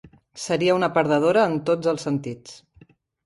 Seria una perdedora en tots els sentits.